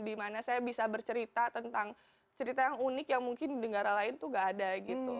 dimana saya bisa bercerita tentang cerita yang unik yang mungkin di negara lain tuh gak ada gitu